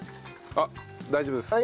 あっ大丈夫です。